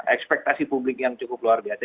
ekspektasi publik yang cukup luar biasa